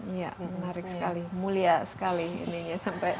iya menarik sekali mulia sekali ini ya